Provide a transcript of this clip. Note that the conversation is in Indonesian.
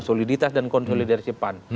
soliditas dan konsolidasi pan